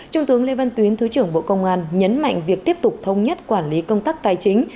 trung tướng lê văn tuyến thứ trưởng bộ công an nhấn mạnh việc tiếp tục thông nhất quản lý công tác tài chính